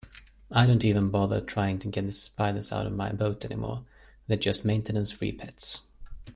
I don't even bother trying to get spiders out of my boat anymore, they're just maintenance-free pets.